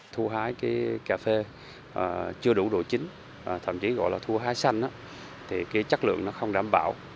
thu hái cà phê chưa đủ độ chín thậm chí gọi là thu hái xanh thì chất lượng nó không đảm bảo